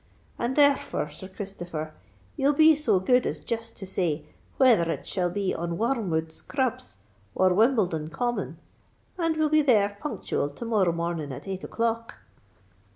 And, therefore, Sir Christopher, you'll be so good as jist to say whether it shall be on Wor rmwood Scr rubs or Wimbledon Common; and we'll be there punctual to morrow morning at eight o'clock."